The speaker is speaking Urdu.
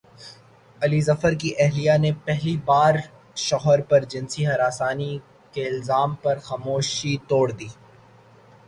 علی ظفر کی اہلیہ نے پہلی بار شوہر پرجنسی ہراسانی کے الزام پر خاموشی توڑ دی